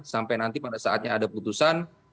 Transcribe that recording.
karena nanti pada saatnya ada putusan